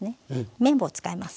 麺棒使います。